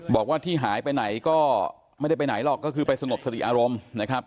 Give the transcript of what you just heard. บอกว่าที่หายไปไหนก็ไม่ได้ไปไหนหรอกก็คือไปสงบสติอารมณ์นะครับ